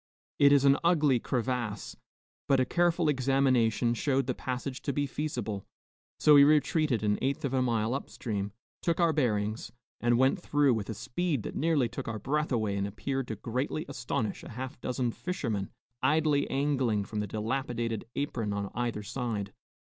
It is an ugly crevasse, but a careful examination showed the passage to be feasible, so we retreated an eighth of a mile up stream, took our bearings, and went through with a speed that nearly took our breath away and appeared to greatly astonish a half dozen fishermen idly angling from the dilapidated apron on either side.